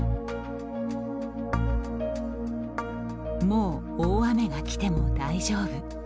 「もう大雨が来ても大丈夫」。